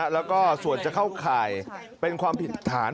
แล้วก็ส่วนจะเข้าข่ายเป็นความผิดฐาน